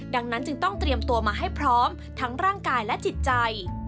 ดังนั้นจึงต้องเตรียมตัวมาให้พร้อมทั้งร่างกายและจิตใจ